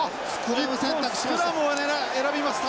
日本スクラムを選びました。